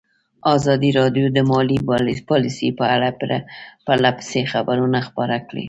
ازادي راډیو د مالي پالیسي په اړه پرله پسې خبرونه خپاره کړي.